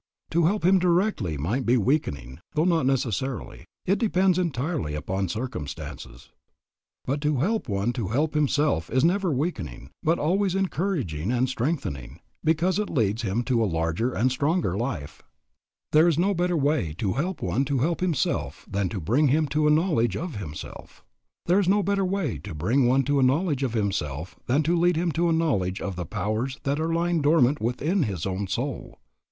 To help him directly might be weakening, though not necessarily. It depends entirely upon circumstances. But to help one to help himself is never weakening, but always encouraging and strengthening, because it leads him to a larger and stronger life. There is no better way to help one to help himself than to bring him to a knowledge of himself. There is no better way to bring one to a knowledge of himself than to lead him to a knowledge of the powers that are lying dormant within his own soul.